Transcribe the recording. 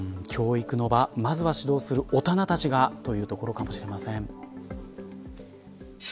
教育の場、まずは指導する大人たちがというところかもしれません。